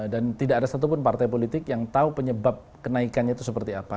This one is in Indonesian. dan tidak ada satupun partai politik yang tahu penyebab kenaikannya itu seperti apa